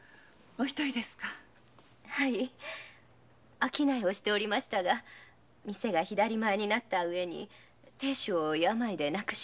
商いをしていましたが店が左前になった上亭主を病で亡くし。